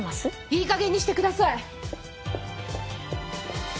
いいかげんにしてください！